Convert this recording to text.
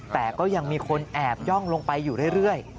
แต่ก็ยังมีคนแอบย่องลงไปอยู่เรื่อย